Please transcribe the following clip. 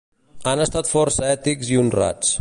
Han estat força ètics i honrats